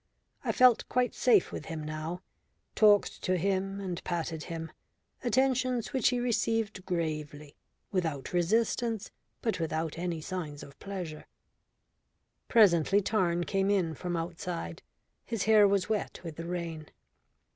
I felt quite safe with him now, talked to him and patted him attentions which he received gravely, without resistance but without any signs of pleasure. Presently Tarn came in from outside. His hair was wet with the rain.